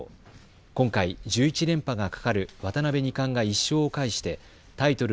今回１１連覇がかかる渡辺二冠が１勝を返してタイトル